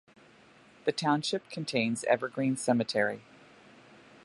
The township contains Evergreen Cemetery.